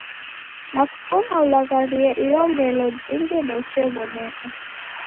Na kufuma ulagharie iyo ngelo jingi ndouchew'oneka.